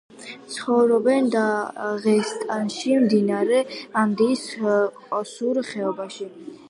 ცხოვრობენ დაღესტანში, მდინარე ანდის ყოისუს ხეობაში.